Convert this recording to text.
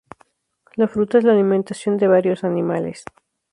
La fruta es la alimentación de varios animales.